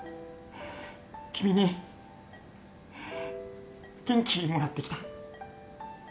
君に元気もらってきた。